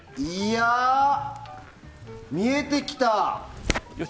見えてきた！